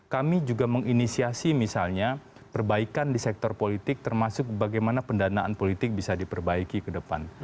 kami juga menginisiasi misalnya perbaikan di sektor politik termasuk bagaimana pendanaan politik bisa diperbaiki ke depan